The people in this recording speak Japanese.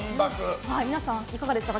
皆さん、いかがでしたか？